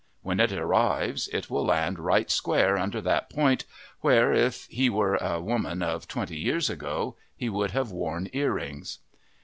When it arrives it will land right square under that point where, if he were a woman of twenty years ago, he might have worn earrings.